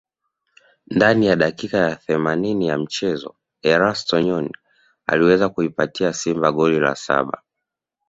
ndani ya dakika themanini ya mchezo Erasto Nyoni aliweza kuipatia Simba goli la saba